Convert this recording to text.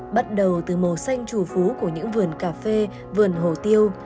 bắt đầu từ màu xanh chủ phú của những vườn cà phê vườn hồ tiêu